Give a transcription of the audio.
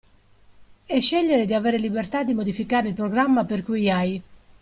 È scegliere di avere libertà di modificare il programma per cui hai.